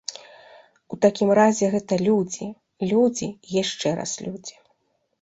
У такім разе гэта людзі, людзі і яшчэ раз людзі.